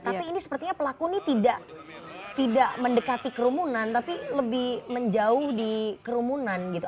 tapi ini sepertinya pelaku ini tidak mendekati kerumunan tapi lebih menjauh di kerumunan gitu